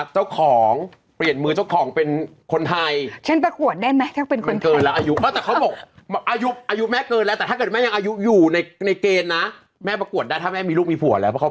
ตั้งแต่อดีตจะถึงปัจจุบันหรือเปล่า